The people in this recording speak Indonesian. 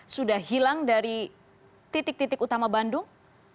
sudah hilang dari titik titik utama bandung